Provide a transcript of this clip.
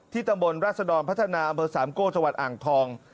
ตำบลราชดรพัฒนาอำเภอสามโก้จังหวัดอ่างทอง